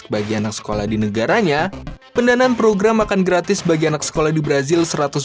bagi anak sekolah di negaranya pendanaan program makan gratis bagi anak sekolah di brazil